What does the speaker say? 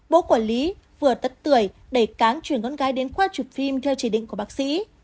bố của lý vừa tất tuổi đẩy cáng chuyển con gái đến khoa chụp phim theo chỉ định của bác sĩ